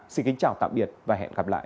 xin kính chào tạm biệt và hẹn gặp lại